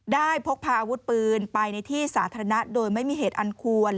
พกพาอาวุธปืนไปในที่สาธารณะโดยไม่มีเหตุอันควร